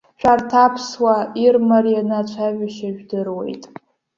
Шәарҭ, аԥсуаа ирмарианы ацәажәашьа жәдыруеит.